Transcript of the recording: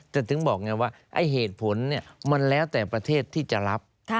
แต่ถึงบอกไงว่าไอ้เหตุผลมันแล้วแต่ประเทศที่จะรับ